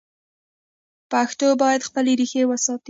پښتو باید خپلې ریښې وساتي.